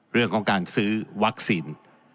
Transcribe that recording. เรื่องของการซื้อวัคซีน